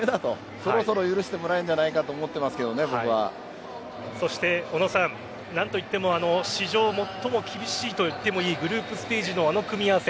そろそろ許してもらえるんじゃないかとそして小野さん何といっても史上最も厳しいといってもいいグループステージのあの組み合わせ。